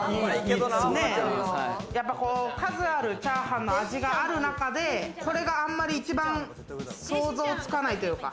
数あるチャーハンの味がある中で、これがあんまり一番想像つかないというか。